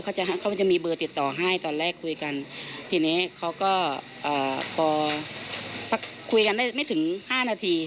เขาจะมีเบอร์ติดต่อให้ตอนแรกคุยกันทีนี้เขาก็อ่าพอสักคุยกันได้ไม่ถึงห้านาที